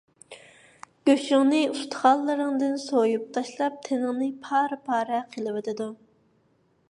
گۆشۈڭنى ئۇستىخانلىرىڭدىن سويۇپ تاشلاپ، تېنىڭنى پارە - پارە قىلىۋېتىدۇ.